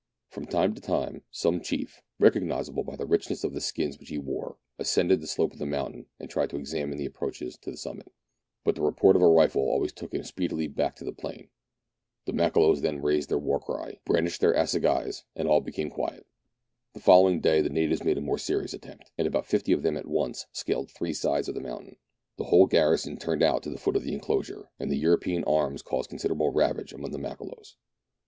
From time to time, some chief, recognizable by An Attack on Mount Scorzef. — [Page 193.] THREE ENGLISHMEN AND THREE RUSSIANS. T93 the richness of the skins which he wore, ascended the slope of the mountain and tried to examine the approaches to the summit ; but the report of a rifle always took him speedily back to the plain. The Makololos then raised their war cry, brandished their assagais, and all became quiet. The following day the natives made a more serious attempt, and about fifty of them at once scaled three sides of the mountain. The whole garrison turned out to the foot of the enclosure, and the European arms caused considerable ravage among the Makololos.